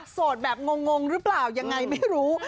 สดแบบงงหรือเปล่ายังไงไม่รู้